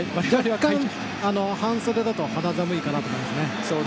若干、半袖だと肌寒いかなと思います。